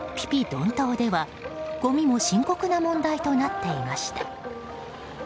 ・ドン島ではごみも深刻な問題となっていました。